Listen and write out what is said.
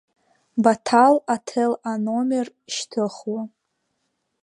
Баҭал Аҭел аномер шьҭыхуа.